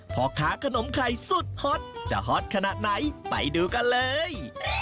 พ่อค้าขนมไข่สุดฮอตจะฮอตขนาดไหนไปดูกันเลย